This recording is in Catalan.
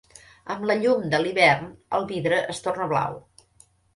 Amb la llum de l'hivern, el vidre es torna blau.